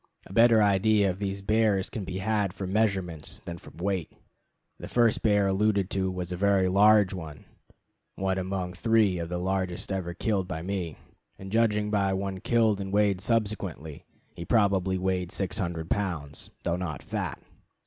A better idea of these bears can be had from measurements than from weight. The bear first alluded to was a very large one (one among three of the largest ever killed by me), and, judging by one killed and weighed subsequently, he probably weighed 600 pounds, though not fat.